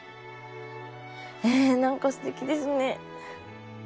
え何かすてきですね。